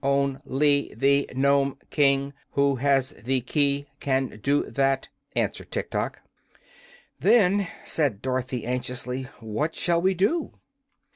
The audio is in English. "On ly the Nome King, who has the key, can do that," answered Tiktok. "Then," said Dorothy, anxiously, "what shall we do?"